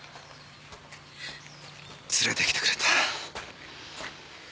連れてきてくれた。